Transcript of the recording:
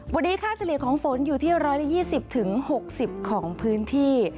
วันนี้ค่าเฉลี่ยของฝนอยู่ที่๑๒๐๖๐ของพื้นที่